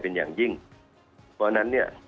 เป็นอย่างยิ่งเพราะฉะนั้นเนี่ย